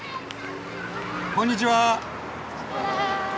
こんにちは。